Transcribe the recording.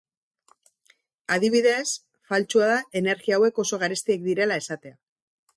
Adibidez, faltsua da energia hauek oso garestiak direla esatea.